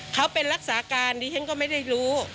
เขาเป็นรักษาการดิฉันก็ไม่ได้รู้